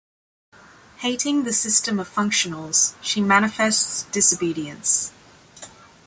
Hating the system of functionals, she manifests disobedience.